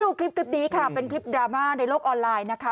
ดูคลิปนี้ค่ะเป็นคลิปดราม่าในโลกออนไลน์นะคะ